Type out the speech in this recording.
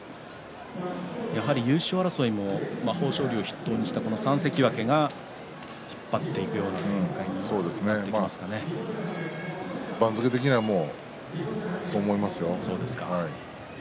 やはり優勝争いも豊昇龍を筆頭にした３関脇が引っ張っていくような展開に番付的にはもうそう思いますよ。